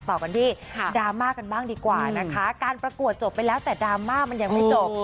ต่อกันที่ดราม่ากันบ้างดีกว่านะคะการประกวดจบไปแล้วแต่ดราม่ามันยังไม่จบ